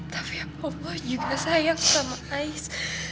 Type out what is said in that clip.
tapi ya allah juga sayang sama ais